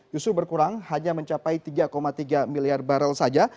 justru berkurang hanya mencapai tiga tiga miliar barrel saja